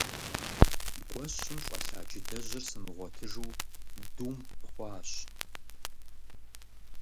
Гуэщым щӀэлъа джыдэжьыр сымыгъуэтыжу думп хъуащ.